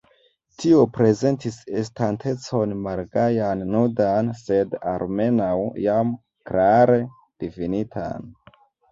Tio prezentis estantecon malgajan, nudan, sed almenaŭ jam klare difinitan.